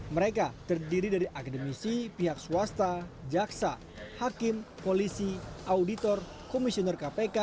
mereka terdiri dari akademisi pihak swasta jaksa hakim polisi auditor komisioner kpk